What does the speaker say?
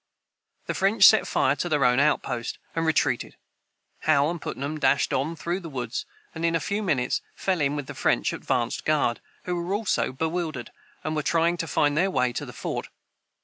The French set fire to their own outpost, and retreated. Howe and Putnam dashed on through the woods, and in a few minutes fell in with the French advanced guard, who were also bewildered, and were trying to find their way to the fort.